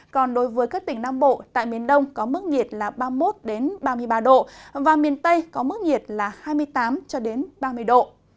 còn đối với các tỉnh nam bộ tại miền đông có mức nhiệt là ba mươi một ba mươi ba độ và miền tây có mức nhiệt là hai mươi tám ba mươi độ